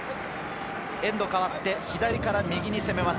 エンドが変わって左から右に攻めます。